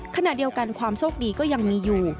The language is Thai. ขณะเดียวกันความโชคดีก็ยังมีอยู่